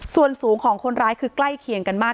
ส่วนสูงของคนร้ายคือใกล้เคียงกันมาก